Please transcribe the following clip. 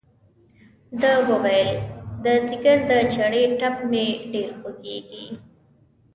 ده وویل د ځګر د چړې ټپ مې ډېر خوږېږي.